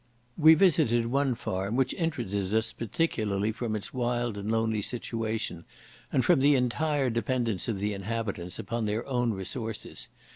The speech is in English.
We visited one farm, which interested us particularly from its wild and lonely situation, and from the entire dependence of the inhabitants upon their own resources.